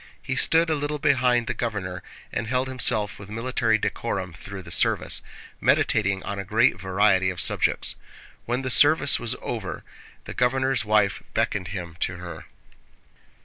He stood a little behind the governor and held himself with military decorum through the service, meditating on a great variety of subjects. When the service was over the governor's wife beckoned him to her.